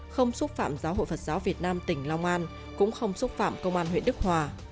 không xúc phạm giáo hội phật giáo việt nam tỉnh long an cũng không xúc phạm công an huyện đức hòa